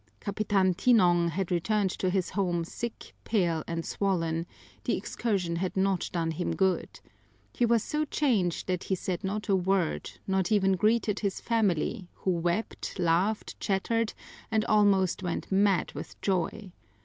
Capitan Tinong had returned to his home sick, pale, and swollen; the excursion had not done him good. He was so changed that he said not a word, nor even greeted his family, who wept, laughed, chattered, and almost went mad with joy.